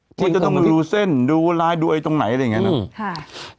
ที่จะต้องดูเส้นดูลายดูไอ้ตรงไหนอะไรอย่างนี้นะ